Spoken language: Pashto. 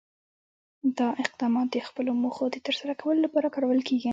دا اقدامات د خپلو موخو د ترسره کولو لپاره کارول کېږي.